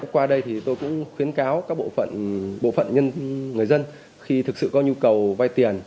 qua đây thì tôi cũng khuyến cáo các bộ phận bộ phận người dân khi thực sự có nhu cầu vay tiền